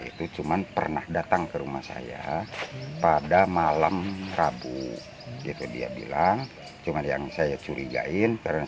itu cuman pernah datang ke rumah saya pada malam rabu itu dia bilang cuman yang saya curigain karena